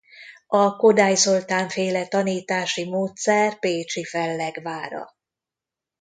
A Kodály Zoltán féle tanítási módszer pécsi fellegvára.